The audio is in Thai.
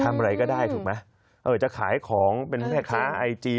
ทำอะไรก็ได้ถูกไหมเออจะขายของเป็นแม่ค้าไอจี